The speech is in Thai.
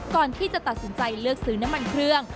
ก่อนที่จะตัดสินใจเลือกซื้อน้ำมันเครื่อง